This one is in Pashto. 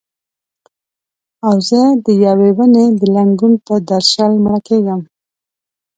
او زه د یوې ونې د لنګون پر درشل مړه کیږم